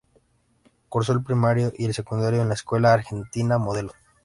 Cursó el primario y el secundario en la Escuela Argentina Modelo.